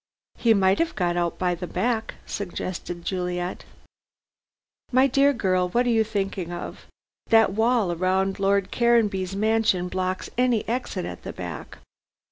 "He might have got out by the back," suggested Juliet. "My dear girl, what are you thinking of. That wall round Lord Caranby's mansion blocks any exit at the back.